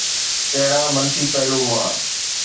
ڪهڙا منفي پهلو هئا؟